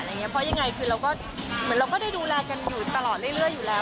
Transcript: เพราะยังไงคือเราก็เหมือนเราก็ได้ดูแลกันอยู่ตลอดเรื่อยอยู่แล้ว